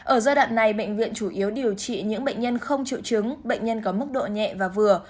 ở giai đoạn này bệnh viện chủ yếu điều trị những bệnh nhân không chịu chứng bệnh nhân có mức độ nhẹ và vừa